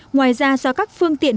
ngoài ra do các phương tiện